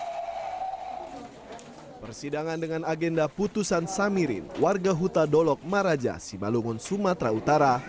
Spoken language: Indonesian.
persidangan dengan agenda putusan samirin warga huta dolok maraja simalungun sumatera utara